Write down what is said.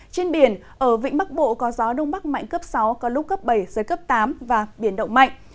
trên biển ở vĩnh bắc bộ có gió đông bắc mạnh cấp sáu có lúc cấp bảy giới cấp tám và biển động mạnh